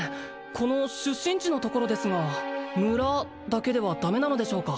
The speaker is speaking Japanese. この出身地のところですが村だけではダメなのでしょうか？